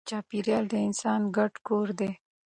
چاپېریال د انسان ګډ کور دی.